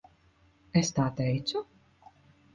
Es tā teicu?